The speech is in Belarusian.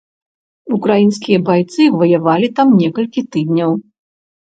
Украінскія байцы ваявалі там некалькі тыдняў.